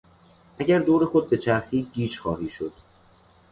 اگر دور خود بچرخی گیج خواهی شد.